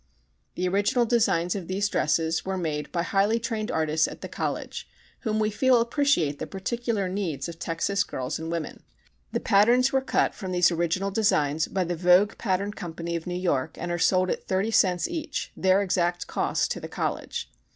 The original designs of these dresses were made by highly trained artists at the College, whom we feel appreciate the particular needs of Texas girls and women. The patterns were cut from these original designs by the Vogue Pattern Company of New York, and are sold at thirty cents each, their exact cost to the College.